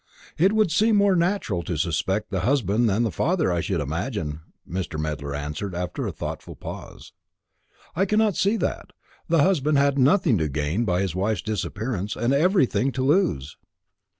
"It would seem more natural to suspect the husband than the father, I should imagine," Mr. Medler answered, after a thoughtful pause. "I cannot see that. The husband had nothing to gain by his wife's disappearance, and everything to lose."